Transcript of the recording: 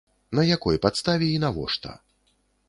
На якой падставе і навошта?